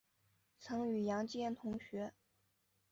曾与杨坚同学。